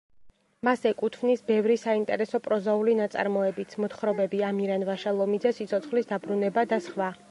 მას ეკუთვნის ბევრი საინტერესო პროზაული ნაწარმოებიც: მოთხრობები ამირან ვაშალომიძე, სიცოცხლის დაბრუნება და სხვა.